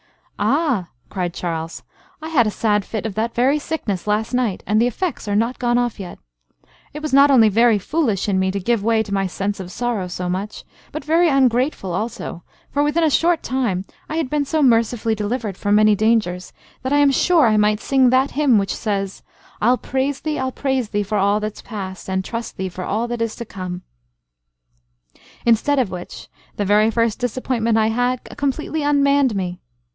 "Ah!" cried Charles, "I had a sad fit of that very sickness last night, and the effects are not gone off yet. It was not only very foolish in me to give way to my sense of sorrow so much, but very ungrateful also, for within a very short time I have been so mercifully delivered from many dangers, that I am sure I might sing that hymn which says— 'I'll praise thee, I'll praise thee, for all that's past, And trust thee for all that is to come.' Instead of which, the very first disappointment I had, completely unmanned me.